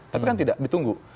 tapi kan tidak ditunggu